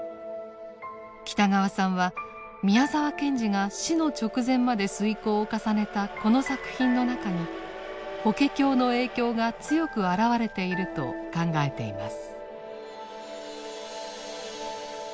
北川さんは宮沢賢治が死の直前まで推敲を重ねたこの作品の中に法華経の影響が強く表れていると考えています。